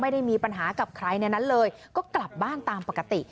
ไม่ได้มีปัญหากับใครในนั้นเลยก็กลับบ้านตามปกติ